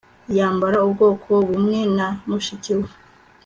yambara ubwoko bumwe na mushiki we